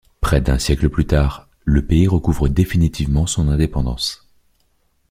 Près d'un siècle plus tard, le pays recouvre définitivement son indépendance.